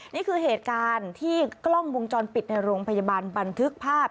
นี่คือเหตุการณ์ที่กล้องวงจรปิดในโรงพยาบาลบันทึกภาพ